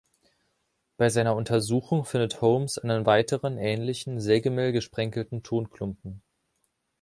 Bei seiner Untersuchung findet Holmes einen weiteren, ähnlichen, sägemehlgesprenkelten Tonklumpen.